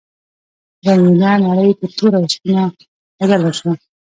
رنګینه نړۍ په توره او سپینه بدله شوه.